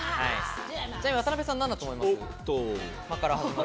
渡邊さん、何だと思いますか？